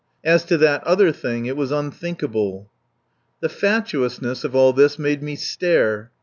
As to that other thing it was unthinkable. The fatuousness of all this made me stare.